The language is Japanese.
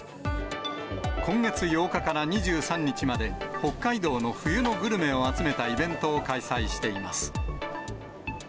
今月８日から２３日まで、北海道の冬のグルメを集めたイベントを開催しています。